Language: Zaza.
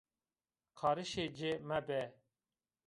Qarişê ci mebe!